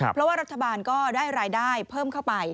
เพราะว่ารัฐบาลก็ได้รายได้เพิ่มเข้าไป